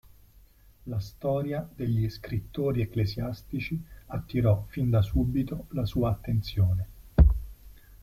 La storia degli scrittori ecclesiastici attirò fin da subito la sua attenzione.